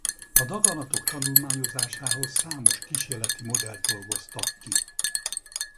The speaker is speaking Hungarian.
A daganatok tanulmányozásához számos kísérleti modellt dolgoztak ki.